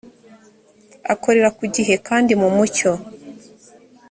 akorera ku gihe kandi mu mucyo